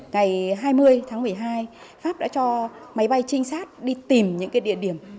ngày hai mươi tháng một mươi hai pháp đã cho máy bay trinh sát đi tìm những địa điểm